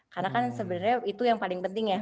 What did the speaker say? karena kan sebenarnya itu yang paling penting ya